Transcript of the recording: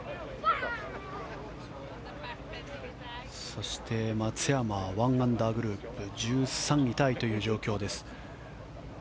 そして、松山１アンダーグループ１３位タイという状況です。